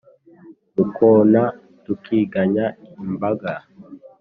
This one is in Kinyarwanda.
mu kona tukinganya imbaga,